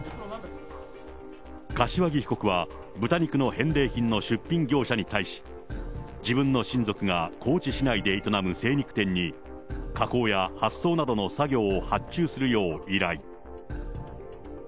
柏木被告は豚肉の返礼品の出品業者に対し、自分の親族が高知市内で営む精肉店に、加工や発送などの作業を発注するよう依頼。